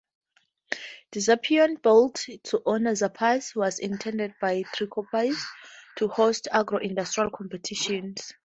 The Zappeion, built to honor Zappas, was intended, by Trikoupis, to host agro-industrial competitions.